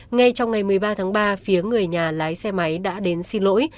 ngay trong ngày một mươi ba tháng ba phía người nhà lái xe máy đã đến xin lỗi